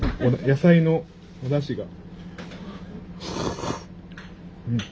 野菜のおだしが。